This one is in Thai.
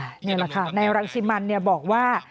นี่แหละค่ะนายรังสิมันบอกว่า